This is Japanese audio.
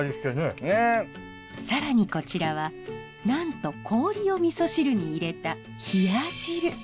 更にこちらはなんと氷を味噌汁に入れた冷や汁。